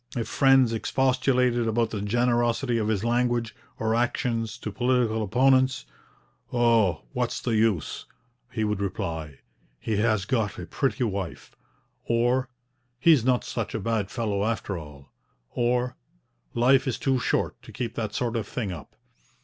If friends expostulated about the generosity of his language or actions to political opponents, 'Oh! what's the use,' he would reply, 'he has got a pretty wife'; or, 'he is not such a bad fellow after all'; or, 'life is too short to keep that sort of thing up.'